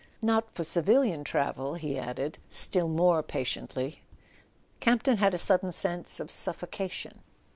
"Not for civilian travel," he added, still more patiently. Campton had a sudden sense of suffocation.